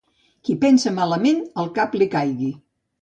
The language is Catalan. Qui pensa malament, el cap li caigui.